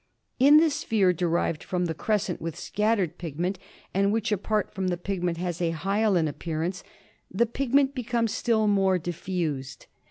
MALARIA. 89 In the sphere derived from the crescent with scattered ' pigment, and which apart from the pigment has a hyaline appearance, the pigment becomes still more diffused.